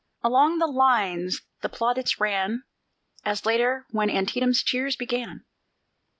Along the line the plaudits ran, As later when Antietam's cheers began.